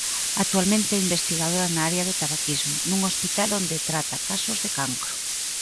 Actualmente, é investigadora na área de tabaquismo nun hospital onde trata casos de cancro.